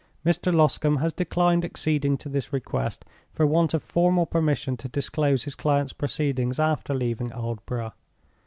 Mr. Loscombe has declined acceding to this request, for want of formal permission to disclose his client's proceedings after leaving Aldborough.